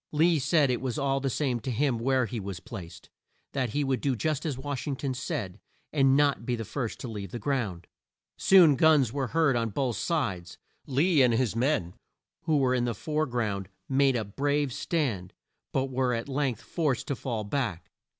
Lee said it was all the same to him where he was placed, that he would do just as Wash ing ton said, and "not be the first to leave the ground." Soon guns were heard on both sides. Lee and his men, who were in the fore ground made a brave stand, but were at length forced to fall back.